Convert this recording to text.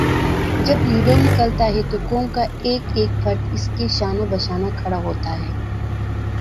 جب لیڈر نکلتا ہے تو قوم کا ایک ایک فرد اسکے شانہ بشانہ کھڑا ہوتا ہے۔